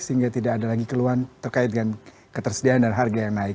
sehingga tidak ada lagi keluhan terkait dengan ketersediaan dan harga yang naik